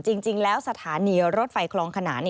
จริงแล้วสถานีรถไฟคลองขนาน